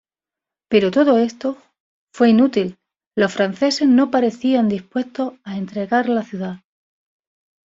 Pero todo esto fue inútil; los franceses no parecían dispuestos a entregar la ciudad.